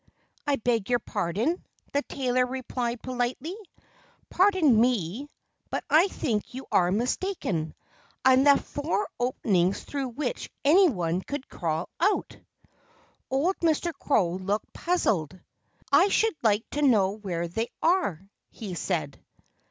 "I beg your pardon," the tailor replied politely. "Pardon me but I think you are mistaken. I left four openings through which anyone could crawl out." Old Mr. Crow looked puzzled. "I should like to know where they are," he said.